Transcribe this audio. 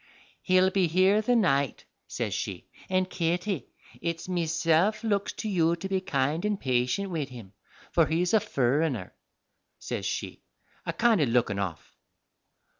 "He'll be here the night," says she, "and Kitty, it's meself looks to you to be kind and patient wid him, for he's a furriner," says she, a kind o' looking off.